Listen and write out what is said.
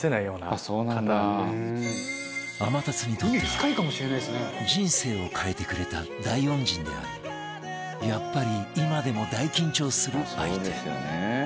天達にとっては人生を変えてくれた大恩人でありやっぱり今でも大緊張する相手